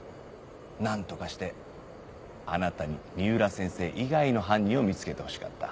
なんとかしてあなたに三浦先生以外の犯人を見つけてほしかった。